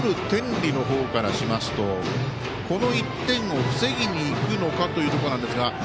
天理のほうからしますとこの１点を防ぎにいくのかというところですが。